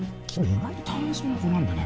意外と大変そうな子なんだね